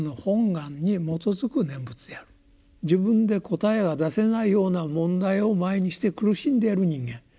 自分で答えが出せないような問題を前にして苦しんでいる人間